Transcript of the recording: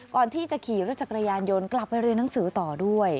ก่อนที่จะขี่รถจักรยานยนต์กลับไปเรียนหนังสือต่อด้วย